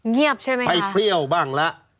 เงียบใช่ไหมคะไปเปรี้ยวบ้างละ